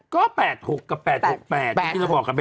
ก็๘๖กับ๘๖๘